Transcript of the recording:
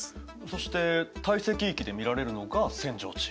そして堆積域で見られるのが扇状地。